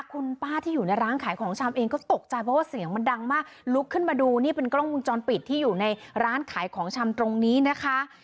คุณป้าที่อยู่ในร้านขายของชำเองก็ตกใจเพราะว่าเสียงมันดังมากลุกขึ้นมาดูนี่เป็นกล้องวงจรปิดที่อยู่ในร้านขายของชำตรงนี้นะคะ